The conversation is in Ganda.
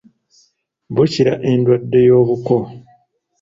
Bukira endwadde y'obuko.